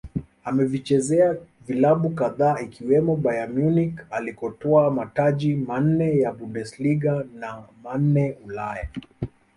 Amevichezea vilabu kadhaa ikiwemo Bayern Munich alikotwaa mataji manne ya Bundersliga na manne Ulaya